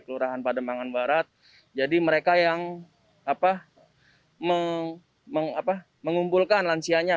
kelurahan pademangan barat jadi mereka yang mengumpulkan lansianya